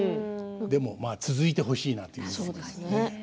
でも続いてほしいなと思いますね。